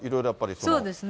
そうですね。